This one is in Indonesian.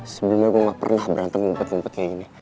sebelumnya gua gak pernah berantem ngumpet ngumpet kayak gini